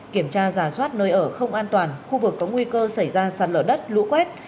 kiểm tra giả soát nơi ở không an toàn khu vực có nguy cơ xảy ra sạt lở đất lũ quét